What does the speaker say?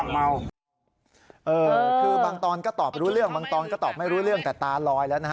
คือบางตอนก็ตอบรู้เรื่องบางตอนก็ตอบไม่รู้เรื่องแต่ตาลอยแล้วนะฮะ